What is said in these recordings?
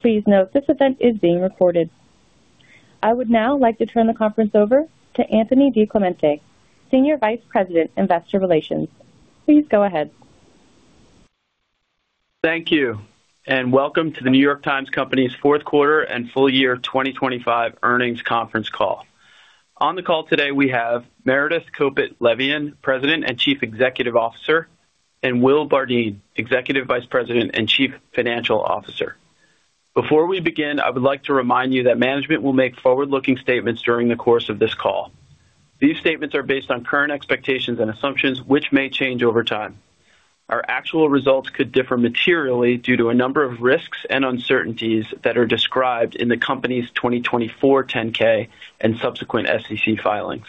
Please note, this event is being recorded. I would now like to turn the conference over to Anthony DiClemente, Senior Vice President, Investor Relations. Please go ahead. Thank you, and welcome to the New York Times Company's Fourth Quarter and Full-Year 2025 Earnings Conference Call. On the call today, we have Meredith Kopit Levien, President and Chief Executive Officer, and Will Bardeen, Executive Vice President and Chief Financial Officer. Before we begin, I would like to remind you that management will make forward-looking statements during the course of this call. These statements are based on current expectations and assumptions, which may change over time. Our actual results could differ materially due to a number of risks and uncertainties that are described in the company's 2024 10-K and subsequent SEC filings.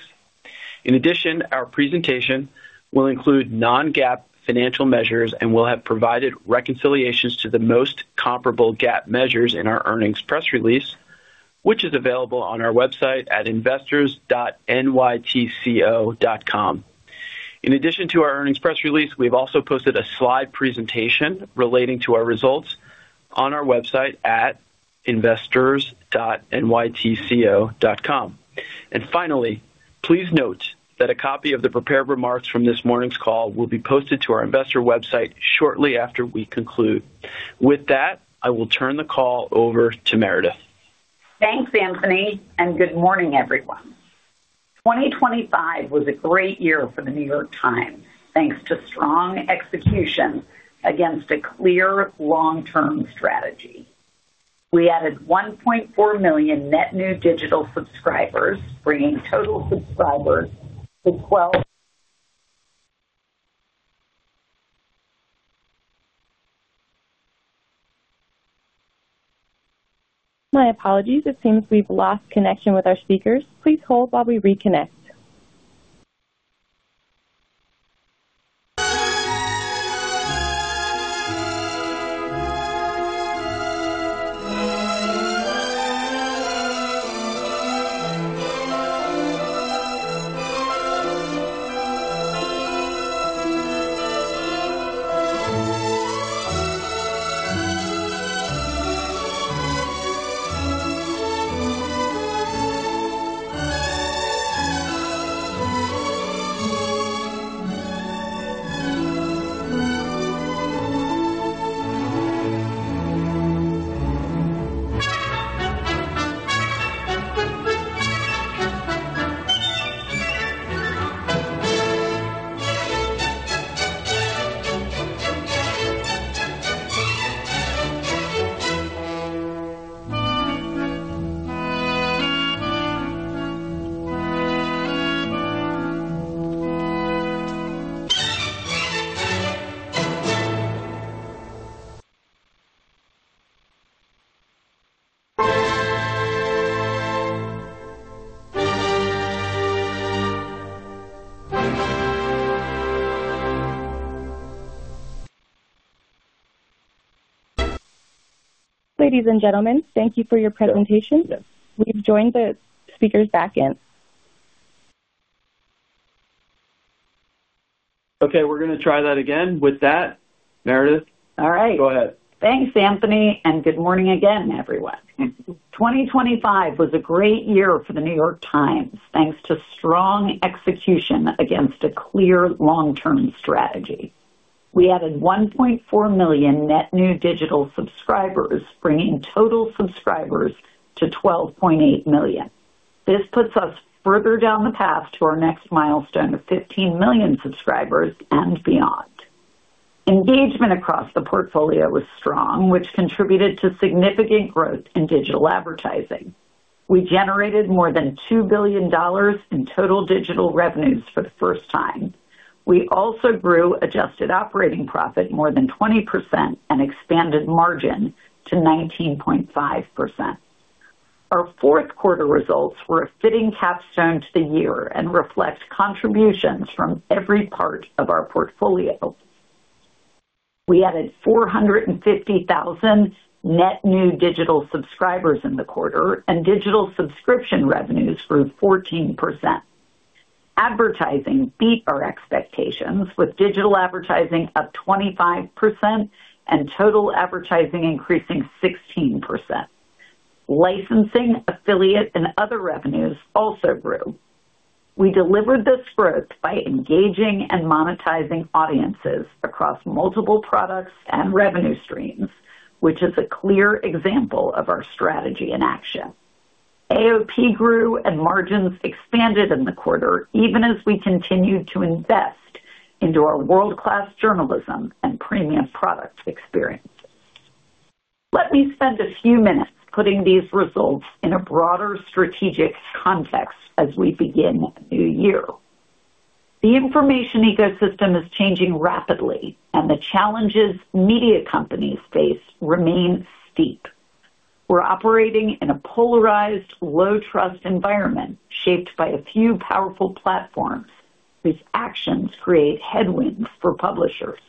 In addition, our presentation will include non-GAAP financial measures and we'll have provided reconciliations to the most comparable GAAP measures in our earnings press release, which is available on our website at investors.nytco.com. In addition to our earnings press release, we've also posted a slide presentation relating to our results on our website at investors.nytco.com. And finally, please note that a copy of the prepared remarks from this morning's call will be posted to our investor website shortly after we conclude. With that, I will turn the call over to Meredith. Thanks, Anthony, and good morning, everyone. 2025 was a great year for The New York Times, thanks to strong execution against a clear long-term strategy. We added 1.4 million net new digital subscribers, bringing total subscribers to 12... My apologies. It seems we've lost connection with our speakers. Please hold while we reconnect. Ladies and gentlemen, thank you for your presentation. We've joined the speakers back in. Okay, we're going to try that again. With that, Meredith- All right. Go ahead. Thanks, Anthony, and good morning again, everyone. 2025 was a great year for The New York Times, thanks to strong execution against a clear long-term strategy. We added 1.4 million net new digital subscribers, bringing total subscribers to 12.8 million. This puts us further down the path to our next milestone of 15 million subscribers and beyond. Engagement across the portfolio was strong, which contributed to significant growth in digital advertising. We generated more than $2 billion in total digital revenues for the first time. We also grew adjusted operating profit more than 20% and expanded margin to 19.5%. Our fourth quarter results were a fitting capstone to the year and reflect contributions from every part of our portfolio. We added 450,000 net new digital subscribers in the quarter and digital subscription revenues grew 14%. Advertising beat our expectations, with digital advertising up 25% and total advertising increasing 16%. Licensing, affiliate, and other revenues also grew. We delivered this growth by engaging and monetizing audiences across multiple products and revenue streams, which is a clear example of our strategy in action. AOP grew and margins expanded in the quarter, even as we continued to invest into our world-class journalism and premium product experiences. Let me spend a few minutes putting these results in a broader strategic context as we begin a new year. The information ecosystem is changing rapidly, and the challenges media companies face remain steep. We're operating in a polarized, low-trust environment shaped by a few powerful platforms whose actions create headwinds for publishers.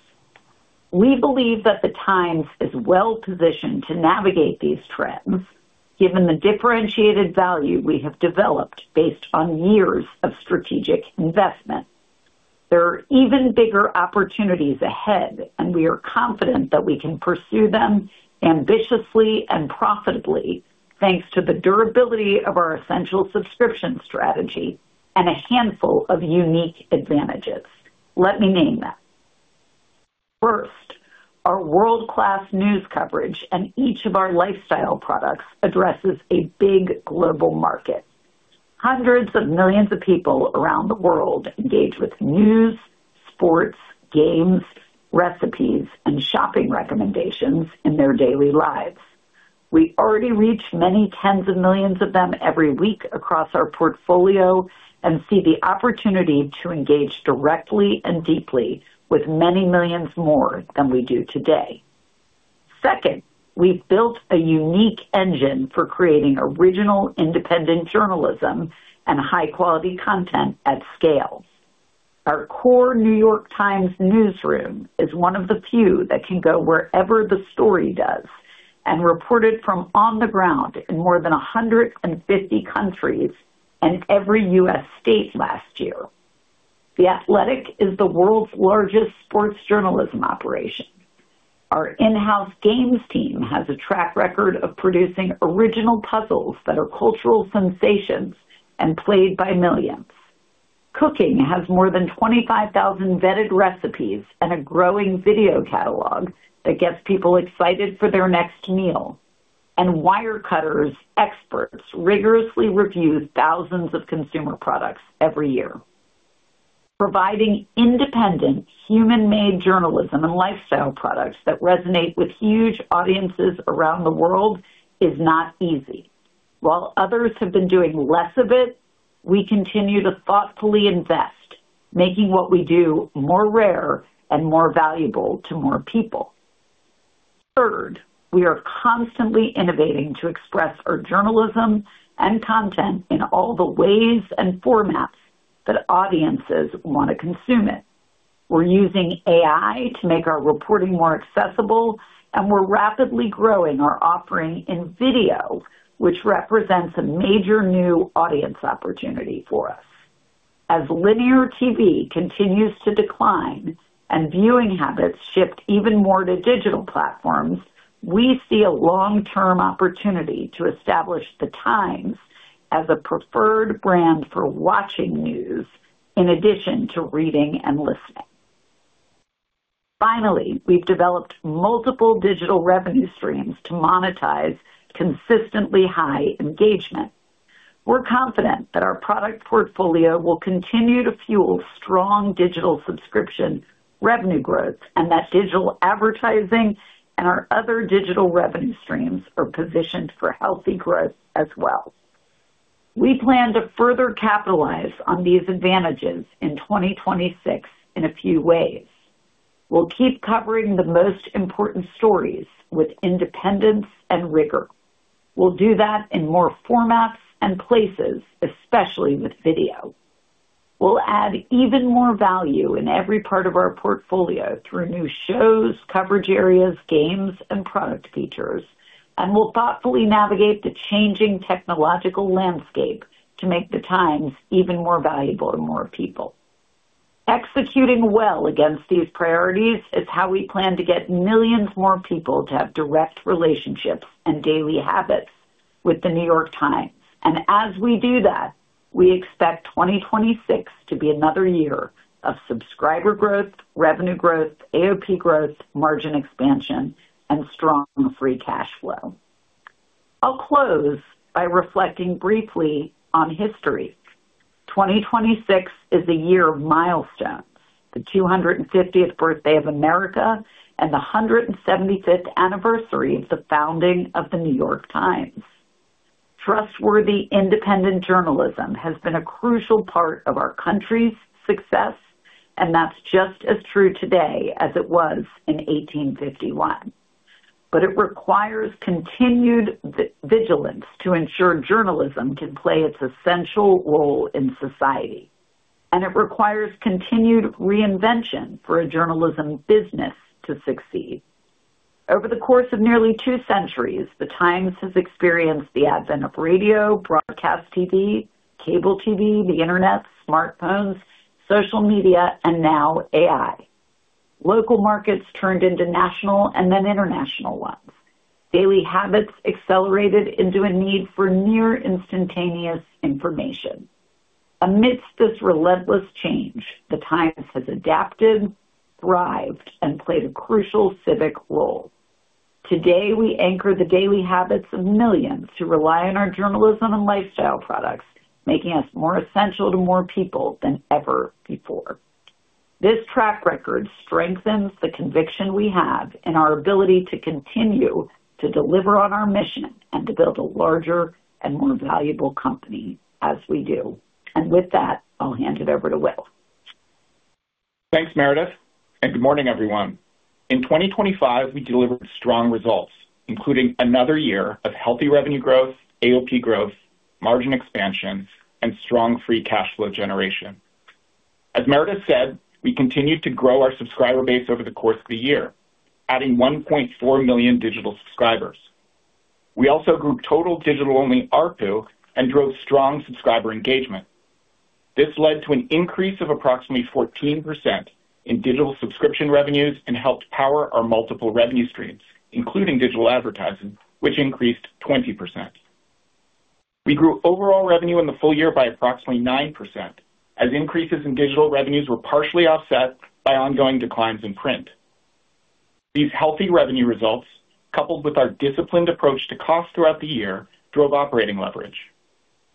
We believe that The Times is well-positioned to navigate these trends, given the differentiated value we have developed based on years of strategic investment. There are even bigger opportunities ahead, and we are confident that we can pursue them ambitiously and profitably, thanks to the durability of our essential subscription strategy and a handful of unique advantages. Let me name them. First, our world-class news coverage and each of our lifestyle products addresses a big global market. Hundreds of millions of people around the world engage with news, sports, games, recipes, and shopping recommendations in their daily lives. We already reach many tens of millions of them every week across our portfolio and see the opportunity to engage directly and deeply with many millions more than we do today. Second, we've built a unique engine for creating original, independent journalism and high-quality content at scale. Our core New York Times newsroom is one of the few that can go wherever the story does and reported from on the ground in more than 150 countries and every U.S. state last year. The Athletic is the world's largest sports journalism operation. Our in-house games team has a track record of producing original puzzles that are cultural sensations and played by millions. Cooking has more than 25,000 vetted recipes and a growing video catalog that gets people excited for their next meal. Wirecutter's experts rigorously review thousands of consumer products every year. Providing independent, human-made journalism and lifestyle products that resonate with huge audiences around the world is not easy. While others have been doing less of it, we continue to thoughtfully invest, making what we do more rare and more valuable to more people. Third, we are constantly innovating to express our journalism and content in all the ways and formats that audiences want to consume it. We're using AI to make our reporting more accessible, and we're rapidly growing our offering in video, which represents a major new audience opportunity for us. As linear TV continues to decline and viewing habits shift even more to digital platforms, we see a long-term opportunity to establish The Times as a preferred brand for watching news in addition to reading and listening. Finally, we've developed multiple digital revenue streams to monetize consistently high engagement. We're confident that our product portfolio will continue to fuel strong digital subscription revenue growth, and that digital advertising and our other digital revenue streams are positioned for healthy growth as well. We plan to further capitalize on these advantages in 2026 in a few ways. We'll keep covering the most important stories with independence and rigor. We'll do that in more formats and places, especially with video. We'll add even more value in every part of our portfolio through new shows, coverage areas, games, and product features, and we'll thoughtfully navigate the changing technological landscape to make the Times even more valuable to more people. Executing well against these priorities is how we plan to get millions more people to have direct relationships and daily habits with The New York Times. And as we do that, we expect 2026 to be another year of subscriber growth, revenue growth, AOP growth, margin expansion, and strong free cash flow. I'll close by reflecting briefly on history. 2026 is a year of milestones, the 250th birthday of America and the 175th anniversary of the founding of The New York Times. Trustworthy, independent journalism has been a crucial part of our country's success, and that's just as true today as it was in 1851. But it requires continued vigilance to ensure journalism can play its essential role in society, and it requires continued reinvention for a journalism business to succeed. Over the course of nearly two centuries, The Times has experienced the advent of radio, broadcast TV, cable TV, the internet, smartphones, social media, and now AI. Local markets turned into national and then international ones. Daily habits accelerated into a need for near-instantaneous information. Amidst this relentless change, The Times has adapted, thrived, and played a crucial civic role. Today, we anchor the daily habits of millions who rely on our journalism and lifestyle products, making us more essential to more people than ever before. This track record strengthens the conviction we have in our ability to continue to deliver on our mission and to build a larger and more valuable company as we do. With that, I'll hand it over to Will. Thanks, Meredith, and good morning, everyone. In 2025, we delivered strong results, including another year of healthy revenue growth, AOP growth, margin expansion, and strong free cash flow generation. As Meredith said, we continued to grow our subscriber base over the course of the year, adding 1.4 million digital subscribers. We also grew total digital-only ARPU and drove strong subscriber engagement. This led to an increase of approximately 14% in digital subscription revenues and helped power our multiple revenue streams, including digital advertising, which increased 20%. We grew overall revenue in the full year by approximately 9%, as increases in digital revenues were partially offset by ongoing declines in print. These healthy revenue results, coupled with our disciplined approach to cost throughout the year, drove operating leverage.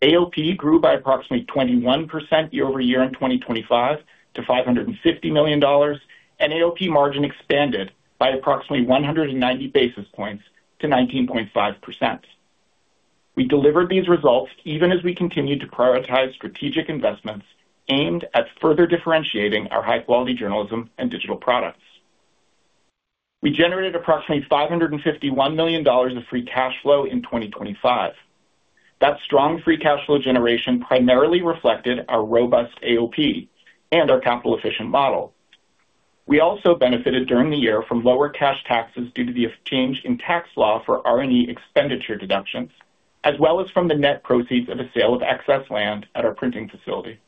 AOP grew by approximately 21% year-over-year in 2025 to $550 million, and AOP margin expanded by approximately 190 basis points to 19.5%. We delivered these results even as we continued to prioritize strategic investments aimed at further differentiating our high-quality journalism and digital products. We generated approximately $551 million of free cash flow in 2025. That strong free cash flow generation primarily reflected our robust AOP and our capital-efficient model. We also benefited during the year from lower cash taxes due to the change in tax law for R&E expenditure deductions, as well as from the net proceeds of a sale of excess land at our printing facility.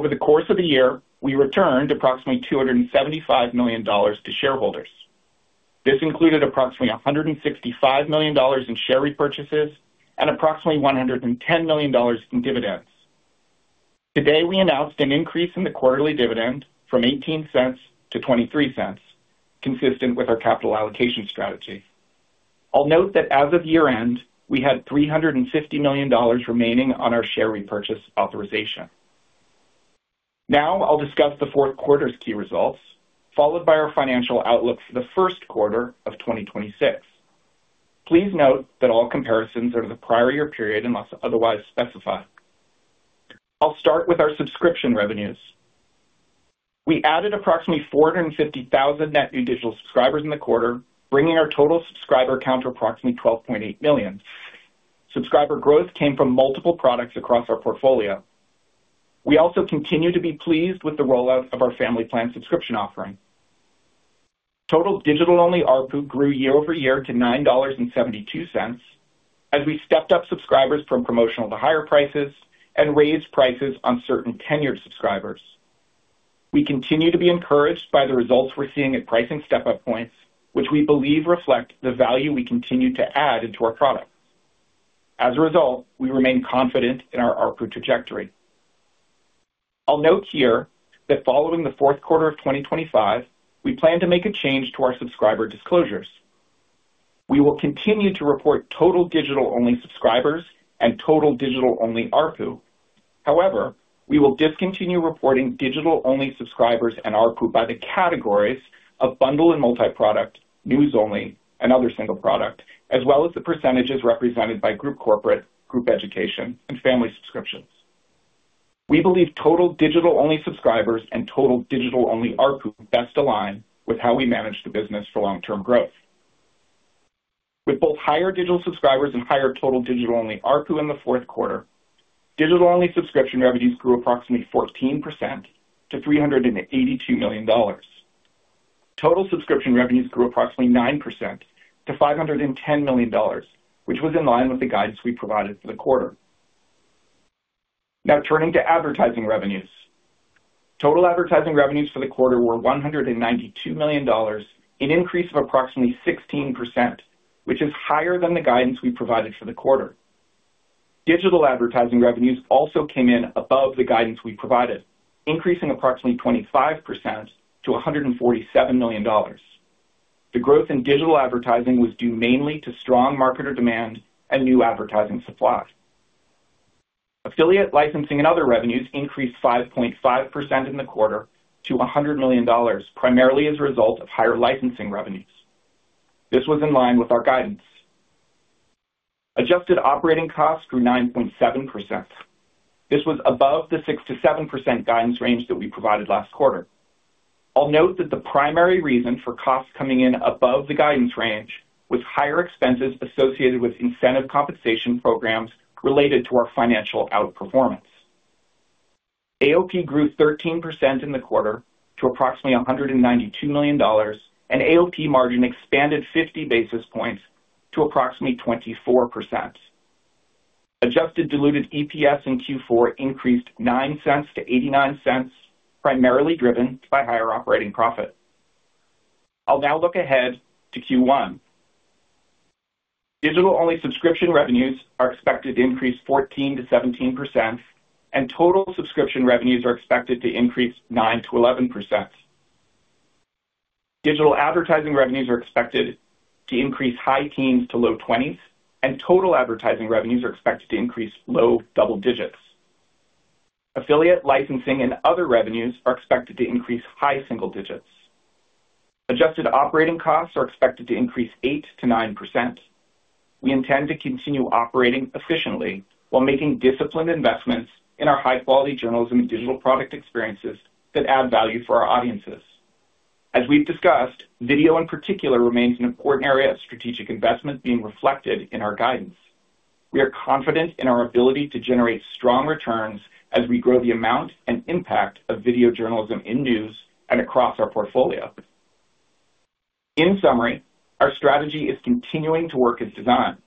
Over the course of the year, we returned approximately $275 million to shareholders. This included approximately $165 million in share repurchases and approximately $110 million in dividends. Today, we announced an increase in the quarterly dividend from $0.18 to $0.23, consistent with our capital allocation strategy. I'll note that as of year-end, we had $350 million remaining on our share repurchase authorization. Now I'll discuss the fourth quarter's key results, followed by our financial outlook for the first quarter of 2026. Please note that all comparisons are to the prior-year period, unless otherwise specified. I'll start with our subscription revenues. We added approximately 450,000 net new digital subscribers in the quarter, bringing our total subscriber count to approximately 12.8 million. Subscriber growth came from multiple products across our portfolio. We also continue to be pleased with the rollout of our Family Plan subscription offering. Total digital-only ARPU grew year-over-year to $9.72, as we stepped up subscribers from promotional to higher prices and raised prices on certain tenured subscribers. We continue to be encouraged by the results we're seeing at pricing step-up points, which we believe reflect the value we continue to add into our products. As a result, we remain confident in our ARPU trajectory. I'll note here that following the fourth quarter of 2025, we plan to make a change to our subscriber disclosures. We will continue to report total digital-only subscribers and total digital-only ARPU. However, we will discontinue reporting digital-only subscribers and ARPU by the categories of bundle and multiproduct, news only, and other single product, as well as the percentages represented by group corporate, group education, and family subscriptions. We believe total digital-only subscribers and total digital-only ARPU best align with how we manage the business for long-term growth. With both higher digital subscribers and higher total digital-only ARPU in the fourth quarter, digital-only subscription revenues grew approximately 14% to $382 million. Total subscription revenues grew approximately 9% to $510 million, which was in line with the guidance we provided for the quarter. Now, turning to advertising revenues. Total advertising revenues for the quarter were $192 million, an increase of approximately 16%, which is higher than the guidance we provided for the quarter. Digital advertising revenues also came in above the guidance we provided, increasing approximately 25% to $147 million. The growth in digital advertising was due mainly to strong marketer demand and new advertising supply. Affiliate licensing and other revenues increased 5.5% in the quarter to $100 million, primarily as a result of higher licensing revenues. This was in line with our guidance. Adjusted operating costs grew 9.7%. This was above the 6%-7% guidance range that we provided last quarter. I'll note that the primary reason for costs coming in above the guidance range was higher expenses associated with incentive compensation programs related to our financial outperformance. AOP grew 13% in the quarter to approximately $192 million, and AOP margin expanded 50 basis points to approximately 24%. Adjusted diluted EPS in Q4 increased $0.09 to $0.89, primarily driven by higher operating profit. I'll now look ahead to Q1. Digital-only subscription revenues are expected to increase 14%-17%, and total subscription revenues are expected to increase 9%-11%. Digital advertising revenues are expected to increase high-teens to low-20%s, and total advertising revenues are expected to increase low-double digits. Affiliate licensing and other revenues are expected to increase high-single digits. Adjusted operating costs are expected to increase 8%-9%. We intend to continue operating efficiently while making disciplined investments in our high-quality journalism and digital product experiences that add value for our audiences. As we've discussed, video in particular remains an important area of strategic investment being reflected in our guidance. We are confident in our ability to generate strong returns as we grow the amount and impact of video journalism in news and across our portfolio. In summary, our strategy is continuing to work as designed.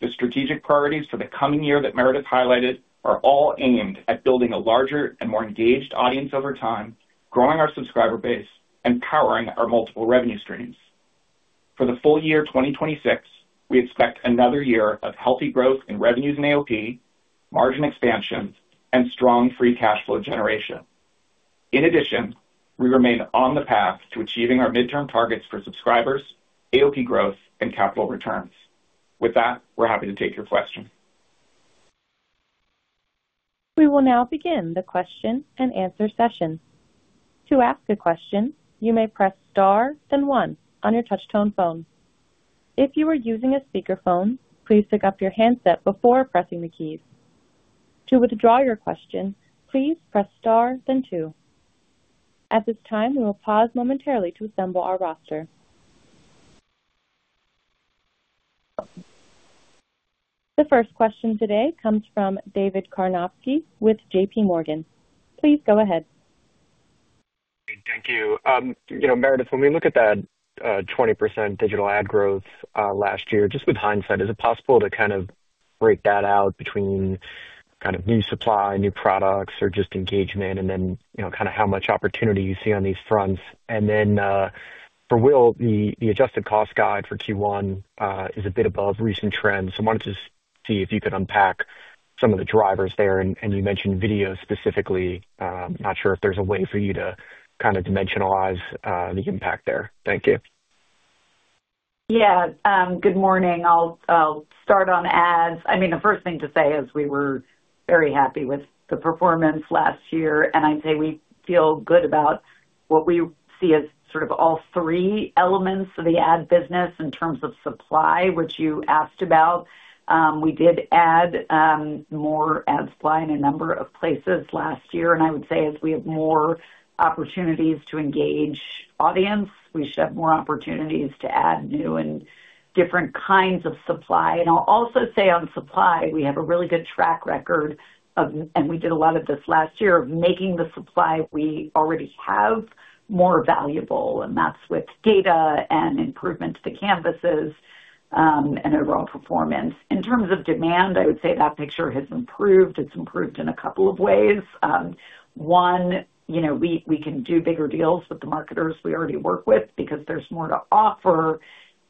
The strategic priorities for the coming year that Meredith highlighted are all aimed at building a larger and more engaged audience over time, growing our subscriber base, and powering our multiple revenue streams. For the full-year 2026, we expect another year of healthy growth in revenues and AOP, margin expansion, and strong free cash flow generation. In addition, we remain on the path to achieving our midterm targets for subscribers, AOP growth, and capital returns. With that, we're happy to take your question. We will now begin the question-and-answer session. To ask a question, you may press star then one on your touch-tone phone. If you are using a speakerphone, please pick up your handset before pressing the keys. To withdraw your question, please press star then two. At this time, we will pause momentarily to assemble our roster. The first question today comes from David Karnovsky with JPMorgan. Please go ahead. Thank you. You know, Meredith, when we look at that 20% digital ad growth last year, just with hindsight, is it possible to kind of break that out between kind of new supply, new products, or just engagement, and then, you know, kind of how much opportunity you see on these fronts? And then, for Will, the adjusted cost guide for Q1 is a bit above recent trends. So I wanted to see if you could unpack some of the drivers there. And you mentioned video specifically. Not sure if there's a way for you to kind of dimensionalize the impact there. Thank you. Yeah. Good morning. I'll start on ads. I mean, the first thing to say is we were very happy with the performance last year, and I'd say we feel good about what we see as sort of all three elements of the ad business in terms of supply, which you asked about. We did add more ad supply in a number of places last year, and I would say as we have more opportunities to engage audience, we should have more opportunities to add new and different kinds of supply. And I'll also say on supply, we have a really good track record of, and we did a lot of this last year, of making the supply we already have more valuable, and that's with data and improvements to canvases, and overall performance. In terms of demand, I would say that picture has improved. It's improved in a couple of ways. One, you know, we can do bigger deals with the marketers we already work with because there's more to offer,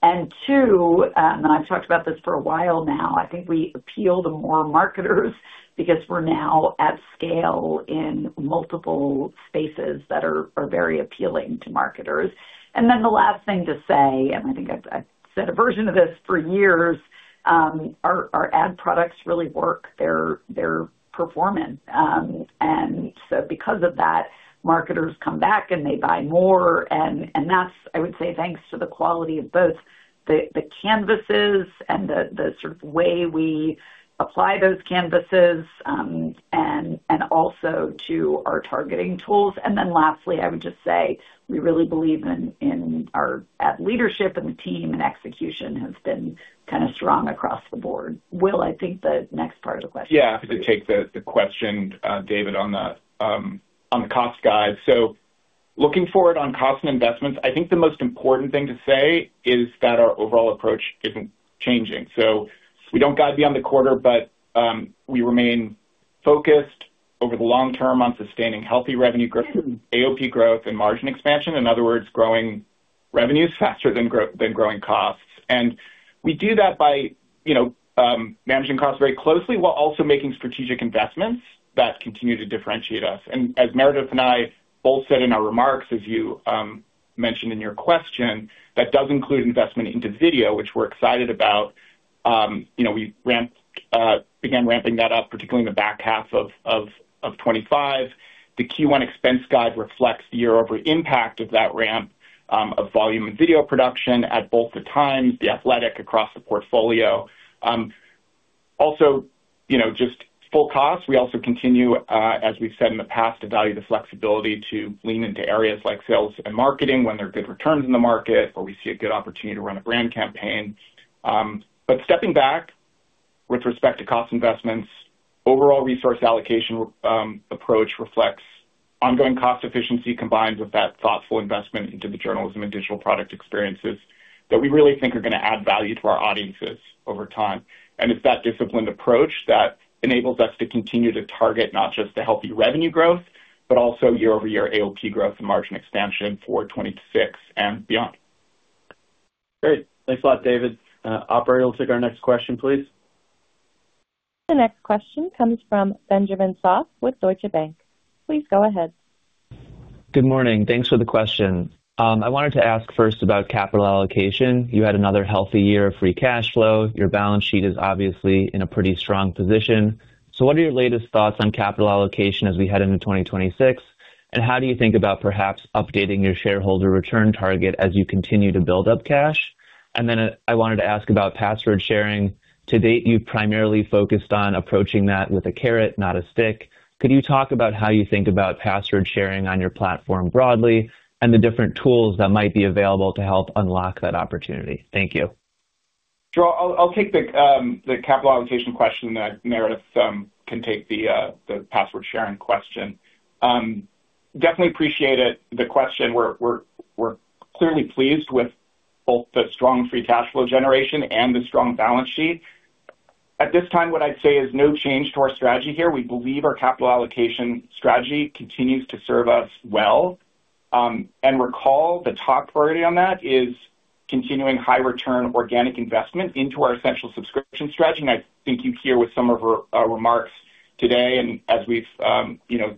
and two, and I've talked about this for a while now, I think we appeal to more marketers because we're now at scale in multiple spaces that are very appealing to marketers. And then the last thing to say, and I think I've said a version of this for years, our ad products really work, they're performing. And so because of that, marketers come back, and they buy more, and that's, I would say, thanks to the quality of both the canvases and the sort of way we apply those canvases, and also to our targeting tools. Then lastly, I would just say we really believe in our ad leadership and the team, and execution has been kind of strong across the board. Will, I think the next part of the question... Yeah, to take the question, David, on the cost guide. So looking forward on cost and investments, I think the most important thing to say is that our overall approach isn't changing, so we don't guide beyond the quarter, but we remain focused over the long term on sustaining healthy revenue growth, AOP growth, and margin expansion. In other words, growing revenues faster than growing costs. And we do that by, you know, managing costs very closely while also making strategic investments that continue to differentiate us. And as Meredith and I both said in our remarks, as you mentioned in your question, that does include investment into video, which we're excited about. You know, we began ramping that up, particularly in the back half of 2025. The Q1 expense guide reflects the year-over-year impact of that ramp, of volume and video production at both the Times, The Athletic across the portfolio. Also, you know, just full cost. We also continue, as we've said in the past, to value the flexibility to lean into areas like sales and marketing when there are good returns in the market, or we see a good opportunity to run a brand campaign. But stepping back with respect to cost investments, overall resource allocation, approach reflects ongoing cost efficiency, combined with that thoughtful investment into the journalism and digital product experiences that we really think are going to add value to our audiences over time. And it's that disciplined approach that enables us to continue to target not just the healthy revenue growth, but also year-over-year AOP growth and margin expansion for 2026 and beyond. Great. Thanks a lot, David. Operator, we'll take our next question, please. The next question comes from Benjamin Soff with Deutsche Bank. Please go ahead. Good morning. Thanks for the question. I wanted to ask first about capital allocation. You had another healthy year of free cash flow. Your balance sheet is obviously in a pretty strong position. So what are your latest thoughts on capital allocation as we head into 2026? And how do you think about perhaps updating your shareholder return target as you continue to build up cash? And then I wanted to ask about password sharing. To date, you've primarily focused on approaching that with a carrot, not a stick. Could you talk about how you think about password sharing on your platform broadly, and the different tools that might be available to help unlock that opportunity? Thank you. Sure, I'll take the capital allocation question, and then Meredith can take the password sharing question. Definitely appreciate the question. We're clearly pleased with both the strong free cash flow generation and the strong balance sheet. At this time, what I'd say is no change to our strategy here. We believe our capital allocation strategy continues to serve us well. And recall, the top priority on that is continuing high return organic investment into our essential subscription strategy. And I think you hear with some of our remarks today, and as we've, you know,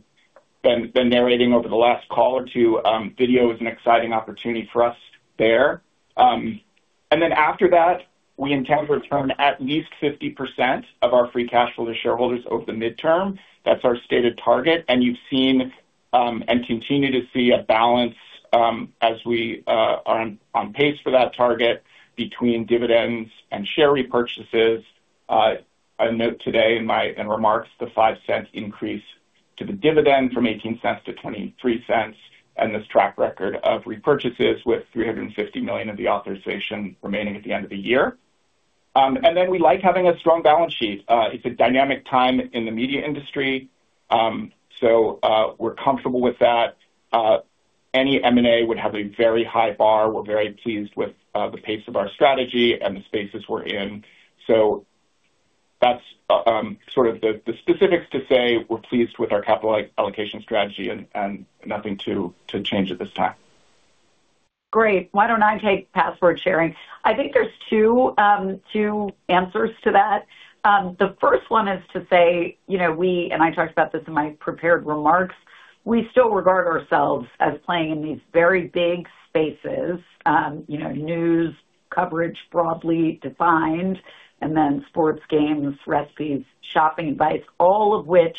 been narrating over the last call or two, video is an exciting opportunity for us there. And then after that, we intend to return at least 50% of our free cash flow to shareholders over the midterm. That's our stated target, and you've seen, and continue to see a balance, as we are on pace for that target between dividends and share repurchases. I note today in my remarks, the $0.05 increase to the dividend from $0.18 to $0.23, and this track record of repurchases with $350 million of the authorization remaining at the end of the year. And then we like having a strong balance sheet. It's a dynamic time in the media industry, so we're comfortable with that. Any M&A would have a very high bar. We're very pleased with the pace of our strategy and the spaces we're in. So that's sort of the specifics to say we're pleased with our capital allocation strategy and nothing to change at this time. Great. Why don't I take password sharing? I think there's two answers to that. The first one is to say, you know, and I talked about this in my prepared remarks, we still regard ourselves as playing in these very big spaces. You know, news coverage, broadly defined, and then sports, games, recipes, shopping advice, all of which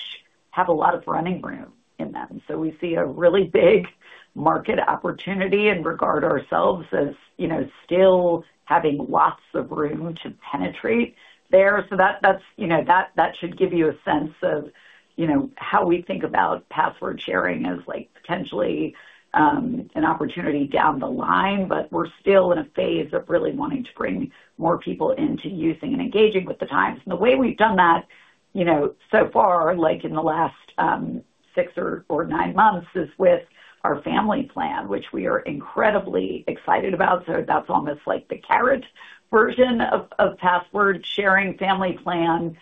have a lot of running room in them. So we see a really big market opportunity and regard ourselves as, you know, still having lots of room to penetrate there. So that, that's, you know, that, that should give you a sense of, you know, how we think about password sharing as, like, potentially an opportunity down the line. But we're still in a phase of really wanting to bring more people into using and engaging with The Times. The way we've done that, you know, so far, like in the last six or nine months, is with our Family Plan, which we are incredibly excited about. That's almost like the carrot version of password sharing. Family Plan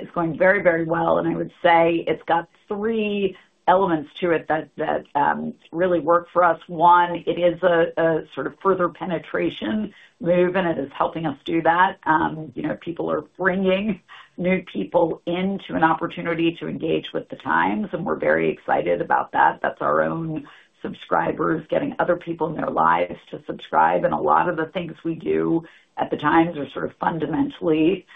is going very, very well, and I would say it's got three elements to it that really work for us. One, it is a sort of further penetration move, and it is helping us do that. You know, people are bringing new people into an opportunity to engage with The Times, and we're very excited about that. That's our own subscribers getting other people in their lives to subscribe, and a lot of the things we do at The Times are sort of fundamentally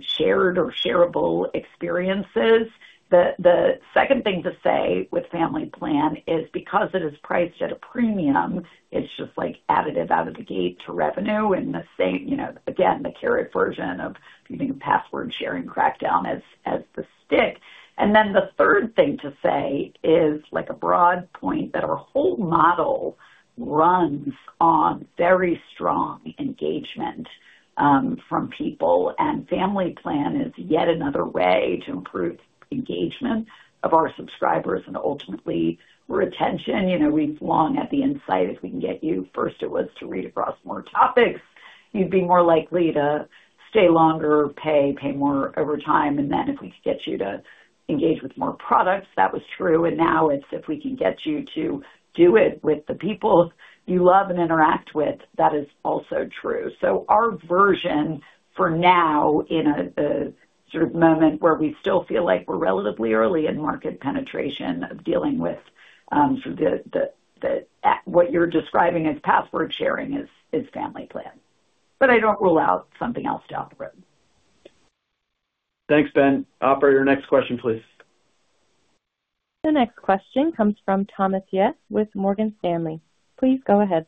shared or shareable experiences. The second thing to say with Family Plan is because it is priced at a premium, it's just, like, additive out of the gate to revenue and the same, you know, again, the carrot version of viewing a password sharing crackdown as the stick. And then the third thing to say is, like, a broad point, that our whole model runs on very strong engagement from people, and Family Plan is yet another way to improve engagement of our subscribers and ultimately retention. You know, we've long had the insight if we can get you, first it was to read across more topics, you'd be more likely to stay longer, pay, pay more over time. And then if we could get you to engage with more products, that was true. And now it's if we can get you to do it with the people you love and interact with, that is also true. So our version, for now, in a sort of moment where we still feel like we're relatively early in market penetration of dealing with sort of the what you're describing as password sharing, is Family Plan. But I don't rule out something else down the road. Thanks, Ben. Operator, next question, please. The next question comes from Thomas Yeh, with Morgan Stanley. Please go ahead.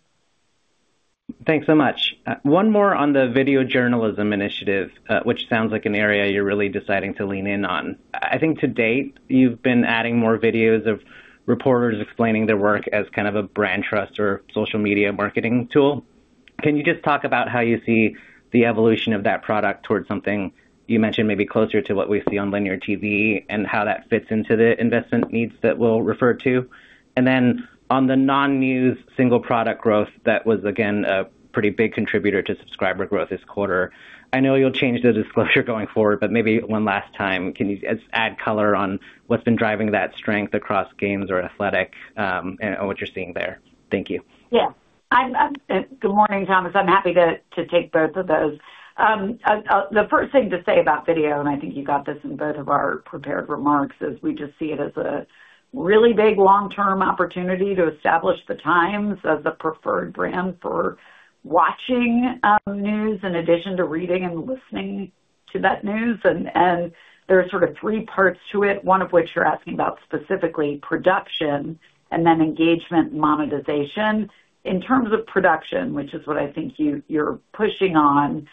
Thanks so much. One more on the video journalism initiative, which sounds like an area you're really deciding to lean in on. I think to date, you've been adding more videos of reporters explaining their work as kind of a brand trust or social media marketing tool. Can you just talk about how you see the evolution of that product towards something you mentioned, maybe closer to what we see on linear TV, and how that fits into the investment needs that we'll refer to? And then on the non-news single product growth, that was, again, a pretty big contributor to subscriber growth this quarter. I know you'll change the disclosure going forward, but maybe one last time, can you just add color on what's been driving that strength across games or athletic, and what you're seeing there? Thank you. Good morning, Thomas. I'm happy to take both of those. The first thing to say about video, and I think you got this in both of our prepared remarks, is we just see it as a really big long-term opportunity to establish the Times as the preferred brand for watching news in addition to reading and listening to that news. There are sort of three parts to it, one of which you're asking about specifically, production, and then engagement and monetization. In terms of production, which is what I think you're pushing on,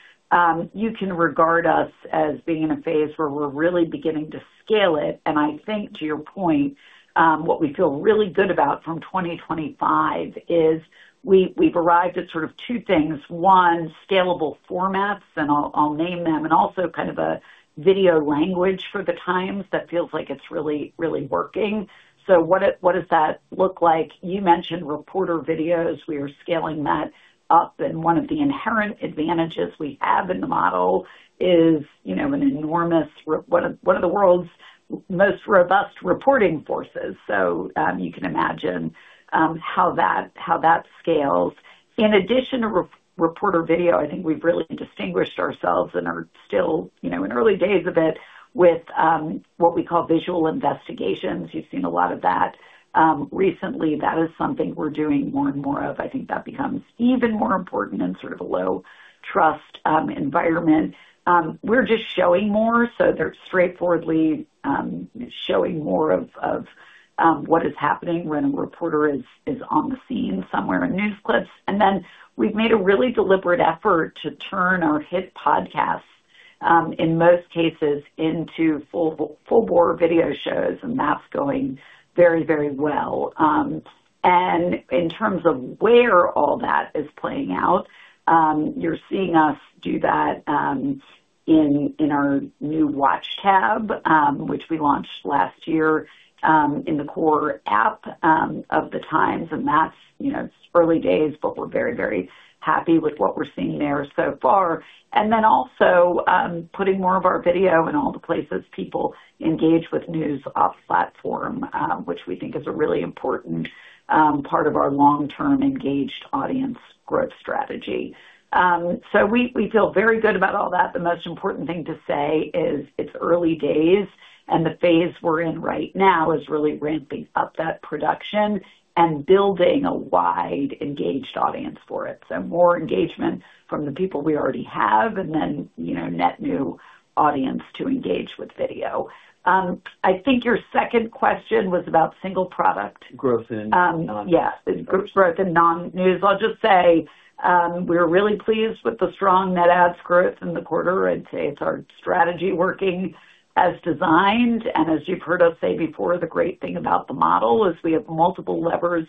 you can regard us as being in a phase where we're really beginning to scale it. And I think, to your point, what we feel really good about from 2025 is we've arrived at sort of two things. One, scalable formats, and I'll name them, and also kind of a video language for the Times that feels like it's really, really working. So what does that look like? You mentioned reporter videos. We are scaling that up, and one of the inherent advantages we have in the model is, you know, an enormous reporting force, one of the world's most robust reporting forces. So, you can imagine how that scales. In addition to reporter video, I think we've really distinguished ourselves and are still, you know, in early days a bit with what we call Visual Investigations. You've seen a lot of that recently. That is something we're doing more and more of. I think that becomes even more important in sort of a low trust environment. We're just showing more, so they're straightforwardly showing more of what is happening when a reporter is on the scene somewhere in news clips. And then we've made a really deliberate effort to turn our hit podcasts, in most cases, into full, full-bore video shows, and that's going very, very well. And in terms of where all that is playing out, you're seeing us do that, in our new Watch tab, which we launched last year, in the core app of the Times, and that's, you know, it's early days, but we're very, very happy with what we're seeing there so far. And then also, putting more of our video in all the places people engage with news off platform, which we think is a really important part of our long-term engaged audience growth strategy. So we, we feel very good about all that. The most important thing to say is it's early days, and the phase we're in right now is really ramping up that production and building a wide, engaged audience for it. So more engagement from the people we already have and then, you know, net new audience to engage with video. I think your second question was about single product. Growth in non-news. Yes, growth in non-news. I'll just say, we're really pleased with the strong net adds growth in the quarter. I'd say it's our strategy working as designed, and as you've heard us say before, the great thing about the model is we have multiple levers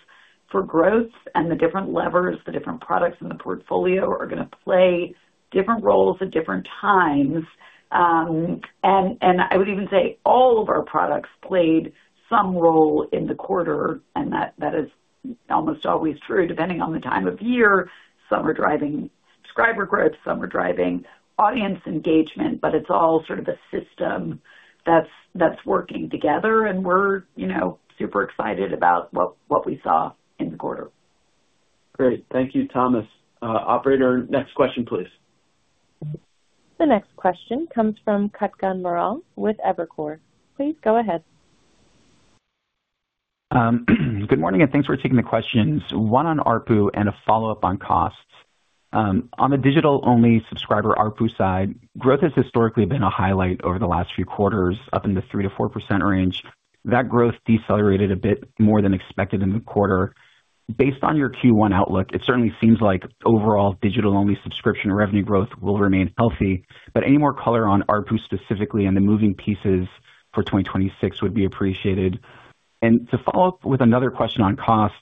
for growth, and the different levers, the different products in the portfolio are going to play different roles at different times. And I would even say all of our products played some role in the quarter, and that is almost always true. Depending on the time of year, some are driving subscriber growth, some are driving audience engagement, but it's all sort of a system that's working together, and we're, you know, super excited about what we saw in the quarter. Great. Thank you, Thomas. Operator, next question, please. The next question comes from Kutgun Maral with Evercore. Please go ahead. Good morning, and thanks for taking the questions. One on ARPU and a follow-up on costs. On the digital-only subscriber ARPU side, growth has historically been a highlight over the last few quarters, up in the 3%-4% range. That growth decelerated a bit more than expected in the quarter. Based on your Q1 outlook, it certainly seems like overall digital-only subscription revenue growth will remain healthy, but any more color on ARPU specifically and the moving pieces for 2026 would be appreciated. To follow up with another question on costs,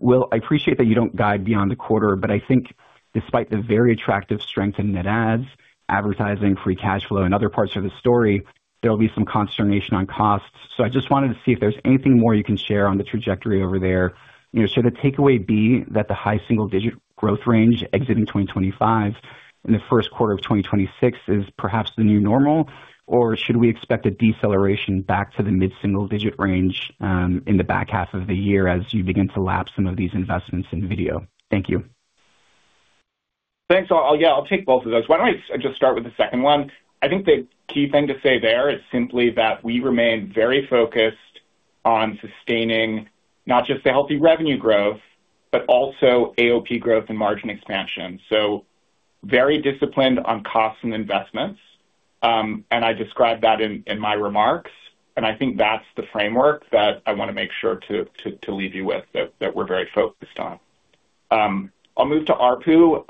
Will, I appreciate that you don't guide beyond the quarter, but I think despite the very attractive strength in net adds, advertising, free cash flow and other parts of the story, there'll be some consternation on costs. So I just wanted to see if there's anything more you can share on the trajectory over there. You know, should the takeaway be that the high-single-digit growth range exiting 2025 and the first quarter of 2026 is perhaps the new normal, or should we expect a deceleration back to the mid-single-digit range in the back half of the year as you begin to lap some of these investments in video? Thank you. Thanks. So, yeah, I'll take both of those. Why don't I just start with the second one? I think the key thing to say there is simply that we remain very focused on sustaining not just the healthy revenue growth, but also AOP growth and margin expansion. So very disciplined on costs and investments, and I described that in my remarks, and I think that's the framework that I want to make sure to leave you with, that we're very focused on. I'll move to ARPU.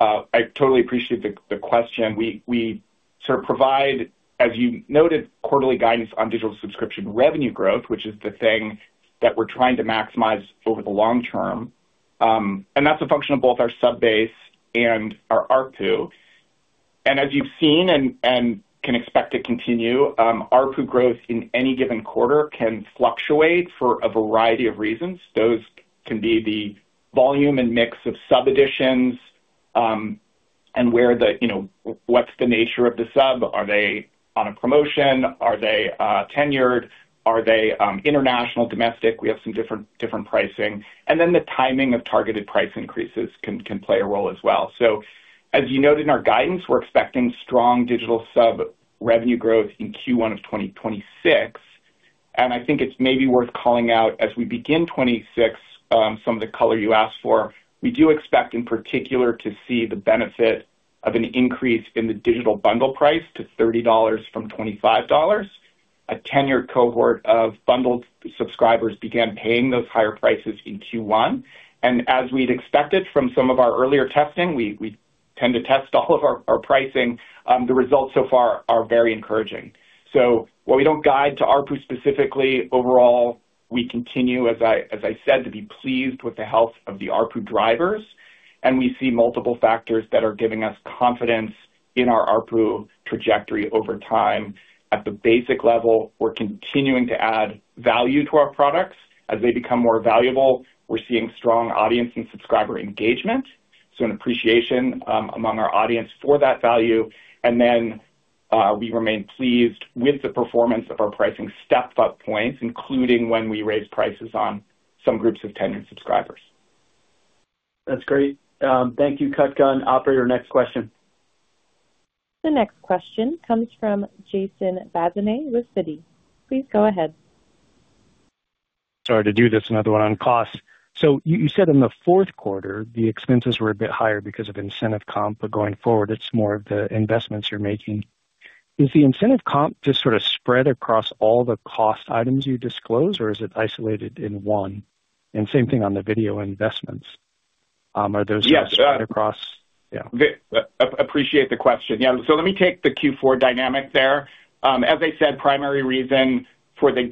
I totally appreciate the question. We sort of provide, as you noted, quarterly guidance on digital subscription revenue growth, which is the thing that we're trying to maximize over the long term. And that's a function of both our sub base and our ARPU. As you've seen and, and can expect to continue, ARPU growth in any given quarter can fluctuate for a variety of reasons. Those can be the volume and mix of sub additions, and where the, you know, what's the nature of the sub? Are they on a promotion? Are they tenured? Are they international, domestic? We have some different, different pricing. And then the timing of targeted price increases can, can play a role as well. So as you noted in our guidance, we're expecting strong digital sub-revenue growth in Q1 of 2026, and I think it's maybe worth calling out as we begin 2026, some of the color you asked for. We do expect, in particular, to see the benefit of an increase in the digital bundle price to $30 from $25. A tenured cohort of bundled subscribers began paying those higher prices in Q1. And as we'd expected from some of our earlier testing, we, we tend to test all of our, our pricing, the results so far are very encouraging. While we don't guide to ARPU specifically, overall, we continue, as I, as I said, to be pleased with the health of the ARPU drivers, and we see multiple factors that are giving us confidence in our ARPU trajectory over time. At the basic level, we're continuing to add value to our products. As they become more valuable, we're seeing strong audience and subscriber engagement, so an appreciation, among our audience for that value. And then, we remain pleased with the performance of our pricing step-up points, including when we raise prices on some groups of tenured subscribers. That's great. Thank you, Kutgun. Operator, next question. The next question comes from Jason Bazinet with Citi. Please go ahead. Sorry to do this, another one on costs. So you, you said in the fourth quarter, the expenses were a bit higher because of incentive comp, but going forward, it's more of the investments you're making. Is the incentive comp just sort of spread across all the cost items you disclose, or is it isolated in one? And same thing on the video investments, are those- Yes. Spread across? Yeah. Appreciate the question. Yeah, so let me take the Q4 dynamic there. As I said, primary reason for the,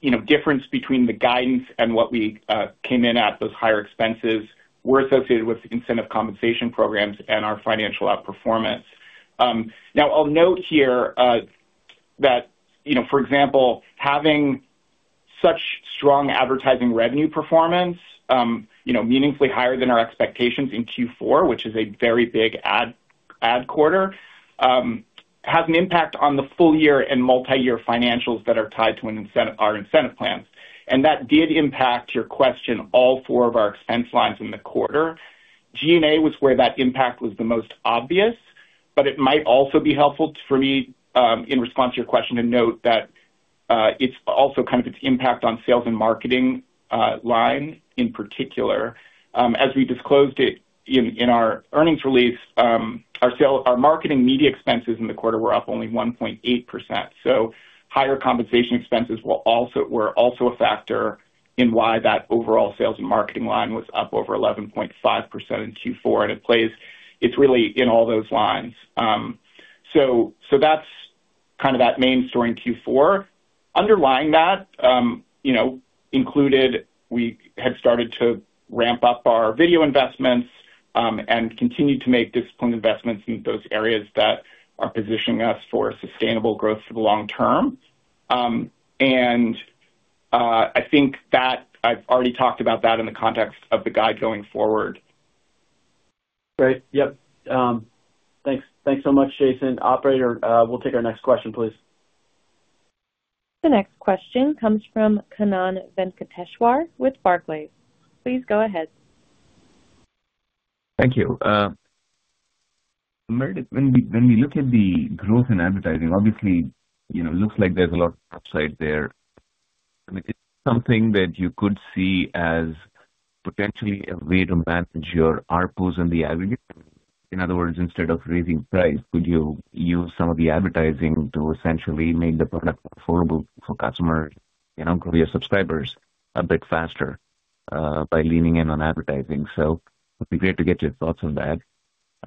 you know, difference between the guidance and what we came in at, those higher expenses, were associated with the incentive compensation programs and our financial outperformance. Now, I'll note here, that, you know, for example, having such strong advertising revenue performance, you know, meaningfully higher than our expectations in Q4, which is a very big ad quarter, has an impact on the full-year and multiyear financials that are tied to an incentive- our incentive plans. And that did impact your question, all four of our expense lines in the quarter. G&A was where that impact was the most obvious, but it might also be helpful for me, in response to your question, to note that, it's also kind of its impact on sales and marketing line in particular. As we disclosed in our earnings release, our marketing media expenses in the quarter were up only 1.8%. So higher compensation expenses were also a factor in why that overall sales and marketing line was up over 11.5% in Q4, and it plays-- It's really in all those lines. So that's kind of that main story in Q4. Underlying that, you know, we had started to ramp up our video investments, and continue to make disciplined investments in those areas that are positioning us for sustainable growth for the long term. And, I think that I've already talked about that in the context of the guide going forward. Great. Yep. Thanks. Thanks so much, Jason. Operator, we'll take our next question, please. The next question comes from Kannan Venkateshwar with Barclays. Please go ahead. Thank you. Meredith, when we, when we look at the growth in advertising, obviously, you know, it looks like there's a lot of upside there. I mean, is it something that you could see as potentially a way to manage your ARPUs on the aggregate? In other words, instead of raising price, could you use some of the advertising to essentially make the product affordable for customers, you know, grow your subscribers a bit faster, by leaning in on advertising? So it'd be great to get your thoughts on that.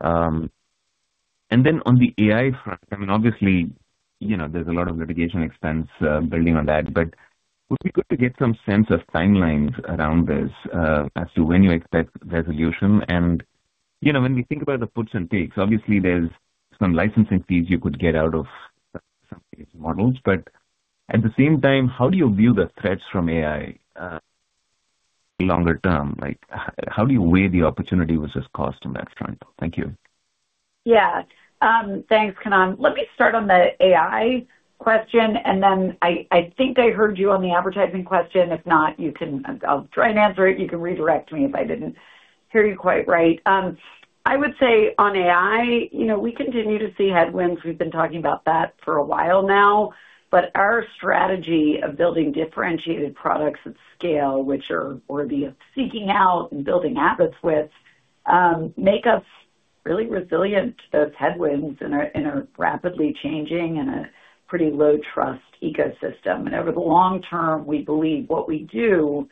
And then on the AI front, I mean, obviously, you know, there's a lot of litigation expense, building on that, but would we go to get some sense of timelines around this, as to when you expect resolution? You know, when we think about the puts and takes, obviously, there's some licensing fees you could get out of some models, but at the same time, how do you view the threats from AI longer term? Like, how do you weigh the opportunity versus cost on that front? Thank you. Yeah. Thanks, Kannan. Let me start on the AI question, and then I think I heard you on the advertising question. If not, you can-- I'll try and answer it. You can redirect me if I didn't hear you quite right. I would say on AI, you know, we continue to see headwinds. We've been talking about that for a while now, but our strategy of building differentiated products at scale, which are worthy of seeking out and building habits with, make us really resilient to those headwinds in a rapidly changing and a pretty low-trust ecosystem. Over the long term, we believe what we do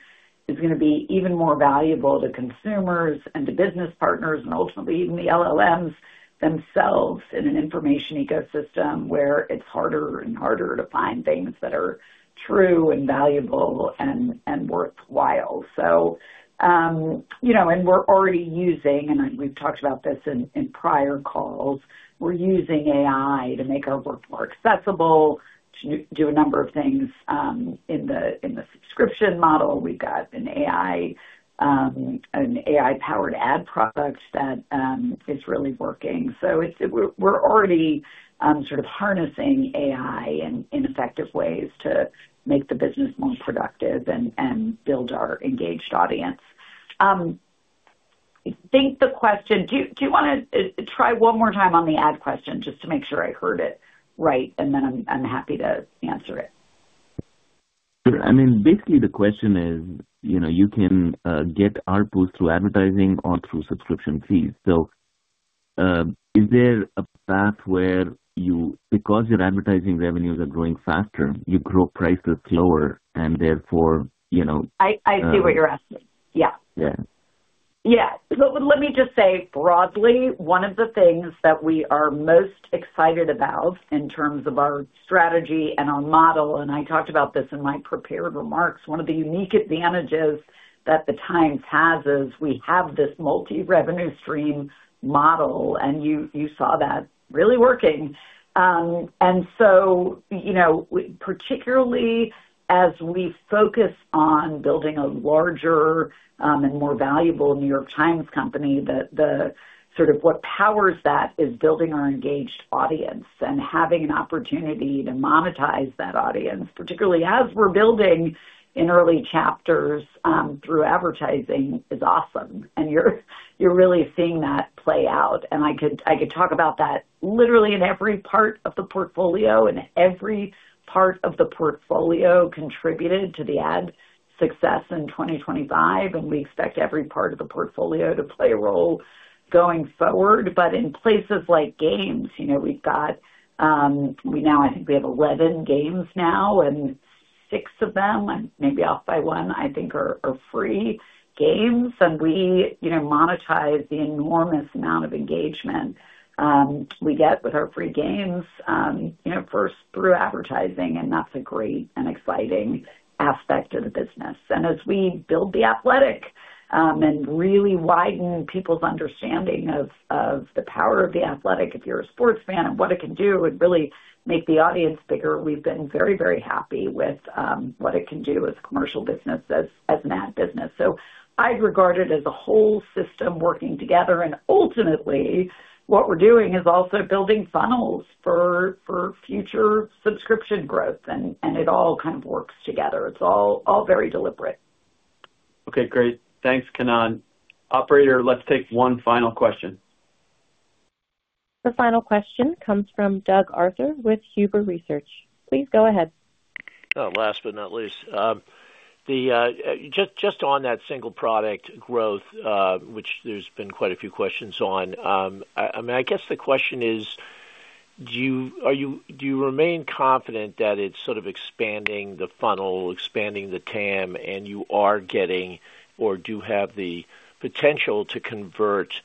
is gonna be even more valuable to consumers and to business partners, and ultimately, even the LLMs themselves, in an information ecosystem where it's harder and harder to find things that are true and valuable and worthwhile. So, you know, and we're already using, and we've talked about this in prior calls, we're using AI to make our work more accessible, to do a number of things in the subscription model. We've got an AI, an AI-powered ad products that is really working. So it's- we're, we're already sort of harnessing AI in effective ways to make the business more productive and build our engaged audience. I think the question-- do you want to try one more time on the ad question, just to make sure I heard it right, and then I'm happy to answer it? Sure. I mean, basically, the question is, you know, you can get our posts through advertising or through subscription fees. So, is there a path where you, because your advertising revenues are growing faster, you grow prices slower, and therefore, you know... I see what you're asking. Yeah. Yeah. Yeah. So let me just say broadly, one of the things that we are most excited about in terms of our strategy and our model, and I talked about this in my prepared remarks, one of the unique advantages that the Times has is we have this multi-revenue stream model, and you, you saw that really working. And so, you know, particularly as we focus on building a larger, and more valuable New York Times Company, the, the sort of what powers that is building our engaged audience and having an opportunity to monetize that audience, particularly as we're building in early chapters, through advertising, is awesome. And you're really seeing that play out, and I could talk about that literally in every part of the portfolio, and every part of the portfolio contributed to the ad success in 2025, and we expect every part of the portfolio to play a role going forward. But in places like games, you know, we've got-- we now, I think we have 11 games now, and six of them, I'm maybe off by one, I think, are free games. And we, you know, monetize the enormous amount of engagement we get with our free games, you know, first through advertising, and that's a great and exciting aspect of the business. And as we build The Athletic, and really widen people's understanding of the power of The Athletic, if you're a sports fan, and what it can do and really make the audience bigger, we've been very, very happy with what it can do as a commercial business, as an ad business. So I'd regard it as a whole system working together, and ultimately, what we're doing is also building funnels for future subscription growth, and it all kind of works together. It's all very deliberate. Okay, great. Thanks, Kannan. Operator, let's take one final question. The final question comes from Doug Arthur with Huber Research. Please go ahead. Oh, last but not least. The just on that single product growth, which there's been quite a few questions on, I mean, I guess the question is: do you remain confident that it's sort of expanding the funnel, expanding the TAM, and you are getting or do have the potential to convert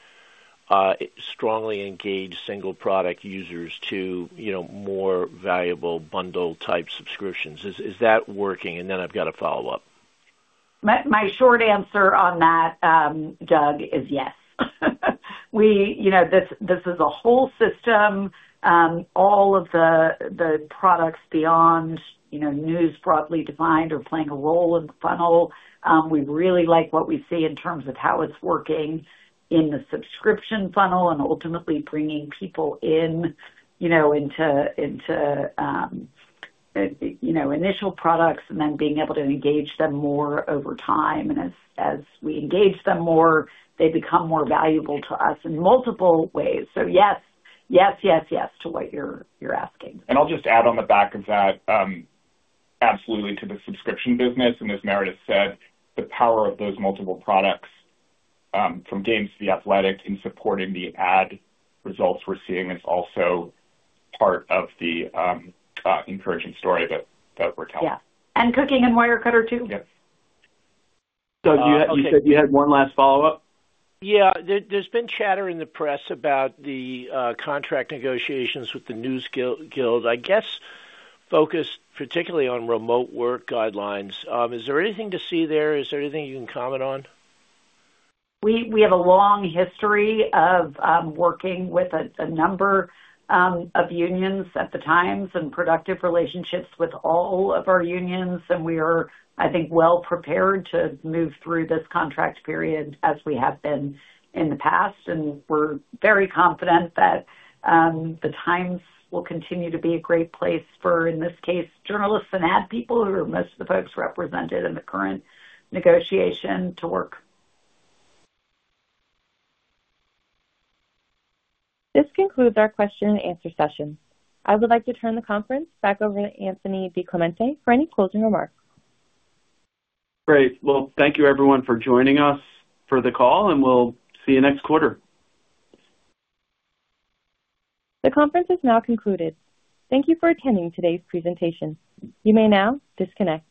strongly engaged single product users to, you know, more valuable bundle-type subscriptions? Is that working? And then I've got a follow-up. My short answer on that, Doug, is yes. You know, this is a whole system. All of the products beyond, you know, news broadly defined, are playing a role in the funnel. We really like what we see in terms of how it's working in the subscription funnel and ultimately bringing people in, you know, into initial products and then being able to engage them more over time. And as we engage them more, they become more valuable to us in multiple ways. So yes. Yes, yes, yes, to what you're asking. I'll just add on the back of that, absolutely to the subscription business, and as Meredith said, the power of those multiple products, from games to The Athletic in supporting the ad results we're seeing, is also part of the encouraging story that we're telling. Yeah. And Cooking and Wirecutter, too. Yes. Doug, you said you had one last follow-up? Yeah. There, there's been chatter in the press about the, contract negotiations with the NewsGuild. I guess, focused particularly on remote work guidelines. Is there anything to see there? Is there anything you can comment on? We have a long history of working with a number of unions at the Times and productive relationships with all of our unions, and we are, I think, well prepared to move through this contract period as we have been in the past. We're very confident that the Times will continue to be a great place for, in this case, journalists and ad people, who are most of the folks represented in the current negotiation to work. This concludes our question-and-answer session. I would like to turn the conference back over to Anthony DiClemente for any closing remarks. Great. Well, thank you everyone for joining us for the call, and we'll see you next quarter. The conference is now concluded. Thank you for attending today's presentation. You may now disconnect.